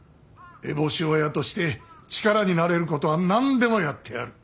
烏帽子親として力になれることは何でもやってやる。